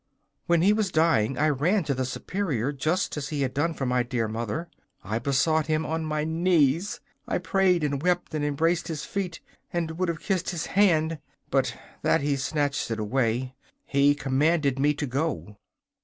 'When he was dying I ran to the Superior, just as he had done for my dear mother. I besought him on my knees. I prayed and wept and embraced his feet, and would have kissed his hand but that he snatched it away. He commanded me to go.